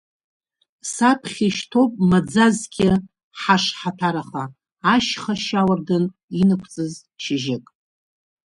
Саԥхьа ишьҭоуп маӡа-зқьы ҳашҳаҭәарха, ашьха ашьауардын, инықәҵыз шьыжьык.